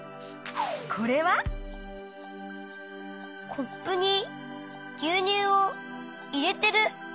コップにぎゅうにゅうをいれてる。